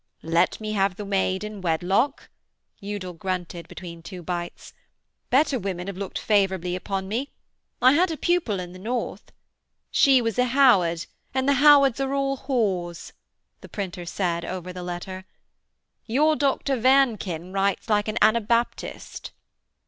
'Let me have the maid in wedlock,' Udal grunted between two bites. 'Better women have looked favourably upon me. I had a pupil in the North ' 'She was a Howard, and the Howards are all whores,' the printer said, over the letter. 'Your Doctor Wernken writes like an Anabaptist.'